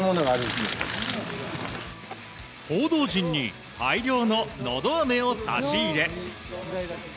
報道陣に大量ののどあめを差し入れ。